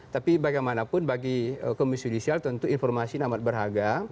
tapi bagaimanapun bagi komisi judisial tentu informasi amat berharga